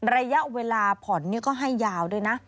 ระยะเวลาผ่อนก็ให้ยาวด้วยนะ